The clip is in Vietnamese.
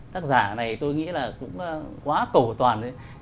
tác giả này tôi nghĩ là cũng quá cầu toàn đấy